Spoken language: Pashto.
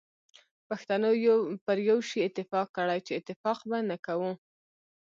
پښتنو پر یو شی اتفاق کړی چي اتفاق به نه کوو.